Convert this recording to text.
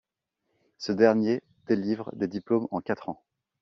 Ce dernier délivre des diplômes en quatre ans.